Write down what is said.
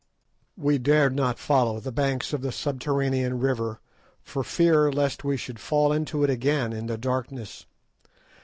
We dared not follow the banks of the subterranean river for fear lest we should fall into it again in the darkness.